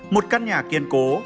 một căn nhà kiên cố